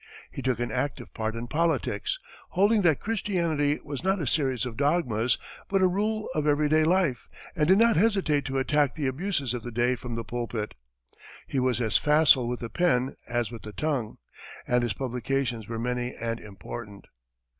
He took an active part in politics, holding that Christianity was not a series of dogmas, but a rule of everyday life, and did not hesitate to attack the abuses of the day from the pulpit. He was as facile with the pen as with the tongue, and his publications were many and important.